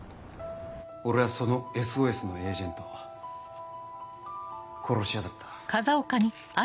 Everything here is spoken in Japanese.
俺はその「ＳＯＳ」のエージェント殺し屋だった。